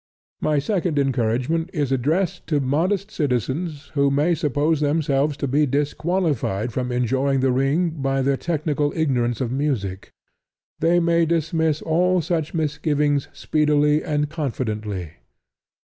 My second encouragement is addressed to modest citizens who may suppose themselves to be disqualified from enjoying The Ring by their technical ignorance of music. They may dismiss all such misgivings speedily and confidently.